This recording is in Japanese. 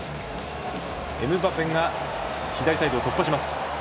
エムバペが左サイドを突破。